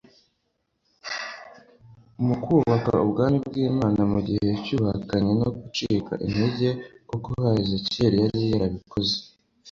mu kubaka ubwami bw'imana mu gihe cy'ubuhakanyi no gucika integer nk'uko hezekiya yari yarabikoze